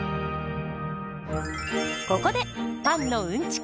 ここでパンのうんちく